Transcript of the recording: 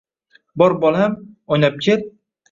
Bor, bolam, o‘ynab kel.